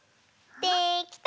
できた！